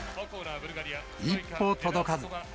一歩届かず。